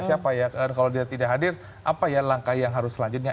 siapa ya kalau dia tidak hadir apa ya langkah yang harus selanjutnya